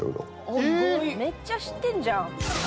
めっちゃ知ってんじゃん。